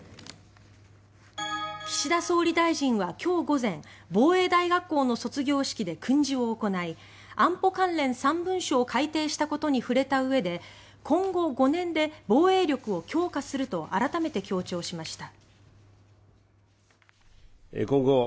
岸田総理大臣は今日午前防衛大学校の卒業式で訓示を行い安保関連３文書を改定したことに触れた上で今後５年で防衛力を強化すると改めて強調しました。